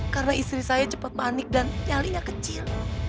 karena istri saya cepat panik dan nyalinya kecil